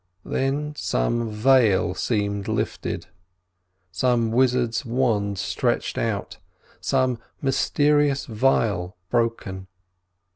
Then some veil seemed lifted, some wizard's wand stretched out, some mysterious vial broken.